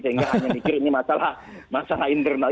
ini masalah internal